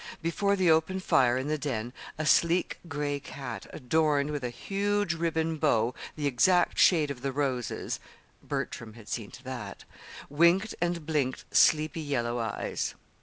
Before the open fire in the den a sleek gray cat adorned with a huge ribbon bow the exact shade of the roses (Bertram had seen to that!) winked and blinked sleepy yellow eyes.